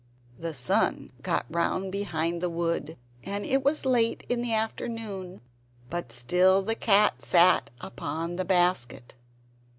The sun got round behind the wood, and it was quite late in the afternoon; but still the cat sat upon the basket.